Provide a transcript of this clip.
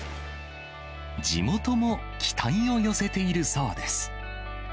地元も期待を寄せているそうです。